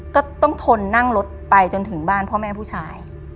ก็ต้องทนนั่งรถไปจนถึงบ้านพ่อแม่ผู้ชาย